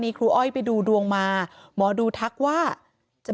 มีเรื่องอะไรมาคุยกันรับได้ทุกอย่าง